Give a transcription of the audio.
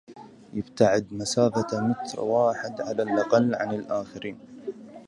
ابتعد مسافة متر واحد على الأقل عن الآخرين